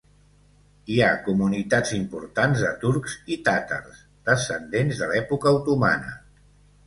Hi ha comunitats importants de turcs i tàtars, descendents de l'època otomana.